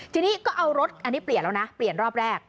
ทีนี้ก็เอารถอันนี้เปลี่ยนแล้วนะเปลี่ยนรอบแรก